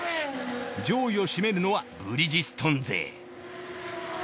上位を占めるのはブリヂストン勢。